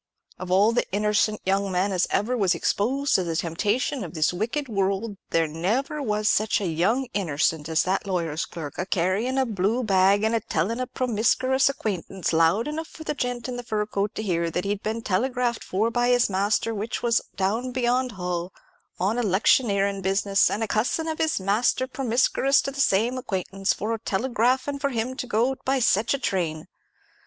Of all the innercent young men as ever was exposed to the temptations of this wicked world, there never was sech a young innercent as that lawyer's clerk, a carryin' a blue bag, and a tellin' a promiskruous acquaintance, loud enough for the gent in the fur coat to hear, that he'd been telegraphed for by his master, which was down beyond Hull, on electioneerin' business; and a cussin' of his master promiskruous to the same acquaintance for telegraphin' for him to go by sech a train.